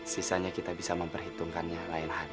sisanya kita bisa memperhitungkannya lain hari